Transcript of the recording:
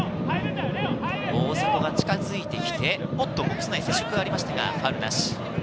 大迫が近づいてきて、ボックス内、接触がありましたがファウルなし。